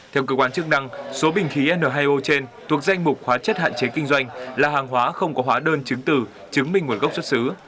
theo cơ quan chức năng số bình khí n hai o trên thuộc danh mục hóa chất hạn chế kinh doanh là hàng hóa không có hóa đơn chứng từ chứng minh nguồn gốc xuất xứ